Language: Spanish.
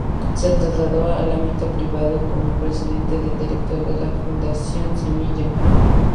Se trasladó al ámbito privado como presidente del directorio de la Fundación Semilla.